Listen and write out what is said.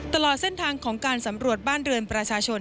ตลอดเส้นทางของการสำรวจบ้านเรือนประชาชน